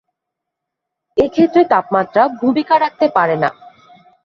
এক্ষেত্রে তাপমাত্রা ভূমিকা রাখতে পারে না।